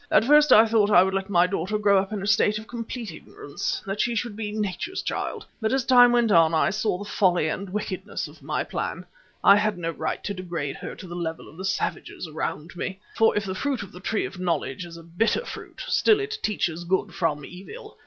At first I thought I would let my daughter grow up in a state of complete ignorance, that she should be Nature's child. But as time went on, I saw the folly and the wickedness of my plan. I had no right to degrade her to the level of the savages around me, for if the fruit of the tree of knowledge is a bitter fruit, still it teaches good from evil.